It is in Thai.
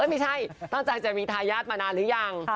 ไม่ใช่ตั้งใจจะมีทายาทมานานหรือยัง